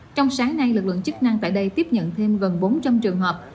trong sáng nay lực lượng chức năng tại đây tiếp nhận thêm gần bốn trăm linh trường hợp